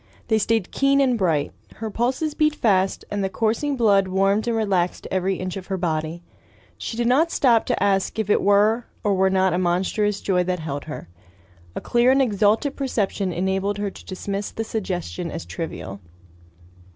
They stayed keen and bright. Her pulses beat fast, and the coursing blood warmed and relaxed every inch of her body. She did not stop to ask if it were or were not a monstrous joy that held her. A clear and exalted perception enabled her to dismiss the suggestion as trivial.